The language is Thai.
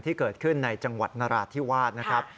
ที่เกิดขึ้นในจังหวัดนราธิวาสนะครับ